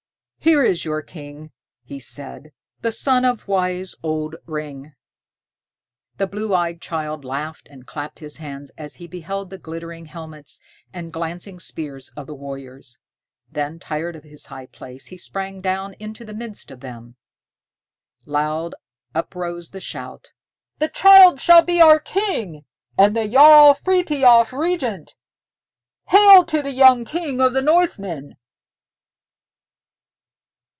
"Here is your king," he said, "the son of wise old Ring." The blue eyed child laughed and clapped his hands as he beheld the glittering helmets and glancing spears of the warriors. Then tired of his high place, he sprang down into the midst of them. Loud uprose the shout, "The child shall be our king, and the Jarl Frithiof regent. Hail to the young King of the Northmen!"